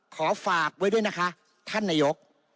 ขอฝากไว้ด้วยนะคะท่านนายก